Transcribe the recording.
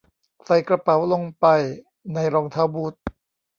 ใส่กระเป๋าลงไปในรองเท้าบูท